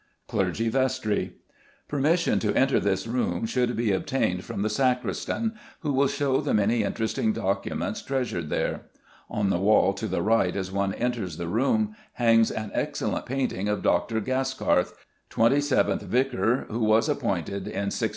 Clergy Vestry. Permission to enter this room should be obtained from the sacristan, who will show the many interesting documents treasured here. On the wall, to the right as one enters the room, hangs an excellent painting of Dr. Gaskarth, twenty seventh vicar, who was appointed in 1686.